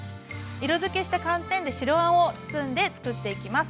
色づけした寒天で白あんを包んでつくっていきます。